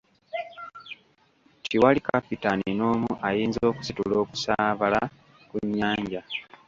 Tiwali Kapitaani n'omu ayinza okusitula okusaabala ku nnyanja.